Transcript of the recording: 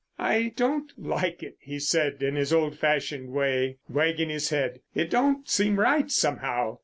"I don't like it," he said in his old fashioned way, wagging his head. "It don't seem right somehow.